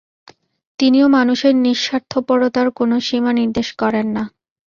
তিনিও মানুষের নিঃস্বার্থপরতার কোন সীমা নির্দেশ করেন না।